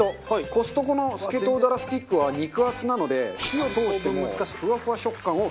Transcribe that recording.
コストコのスケソウダラスティックは肉厚なので火を通してもフワフワ食感をキープ！